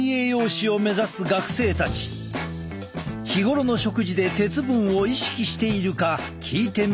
日頃の食事で鉄分を意識しているか聞いてみると。